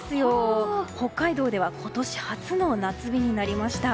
北海道では今年初の夏日になりました。